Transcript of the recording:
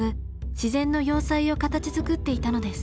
自然の要塞を形づくっていたのです。